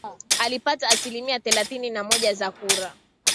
Alipata asilimia thelathini na moja za kura